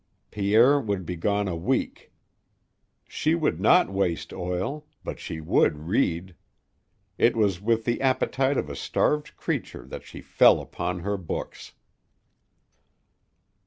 Pierre would be gone a week. She would not waste oil, but she would read. It was with the appetite of a starved creature that she fell upon her books.